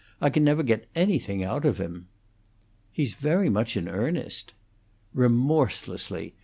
I never can get anything out of him." "He's very much in earnest." "Remorselessly.